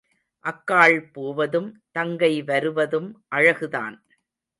அக்காள் போவதும் தங்கை வருவதும் அழகுதான்.